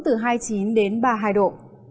từ hai mươi chín đến ba mươi hai độ